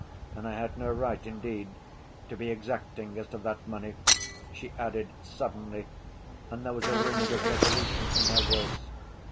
And I had no right, indeed, to be exacting as to that money," she added suddenly, and there was a ring of resolution in her voice.